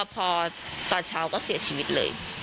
พอตอนเช้าก็เสียชีวิตเลย